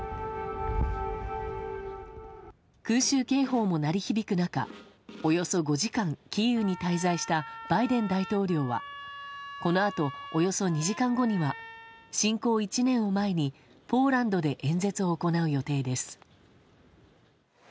空襲警報も鳴り響く中およそ５時間キーウに滞在したバイデン大統領はこのあと、およそ２時間後には侵攻１年を前にポーランドで演説を行う予定です。